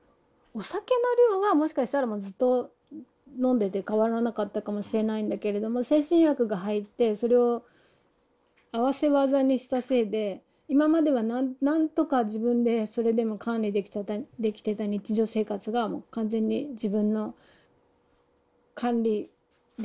お酒の量はもしかしたらもうずっと飲んでて変わらなかったかもしれないんだけれども精神薬が入ってそれを合わせ技にしたせいで今まではなんとか自分でそれでも管理できてた日常生活が完全に自分の管理できないものになってしまった。